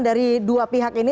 dari dua pihak ini